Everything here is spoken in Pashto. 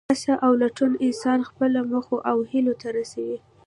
هڅه او لټون انسان خپلو موخو او هیلو ته رسوي.